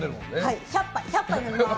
１００杯飲みます！